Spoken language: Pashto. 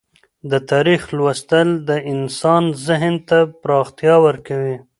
د تاریخ لوستل د انسان ذهن ته پراختیا ورکوي.